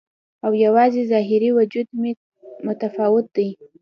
او یوازې ظاهري وجود مې متفاوت دی